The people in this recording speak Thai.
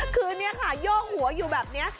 คือนี่ค่ะโยกหัวอยู่แบบนี้